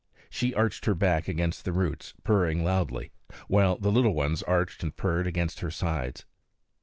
She arched her back against the roots, purring loudly, while the little ones arched and purred against her sides.